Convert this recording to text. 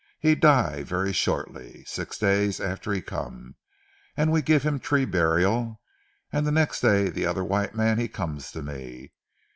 He die vaire shortly six days after he come, an' we give him tree burial; and ze next day, ze other white mans he come to me.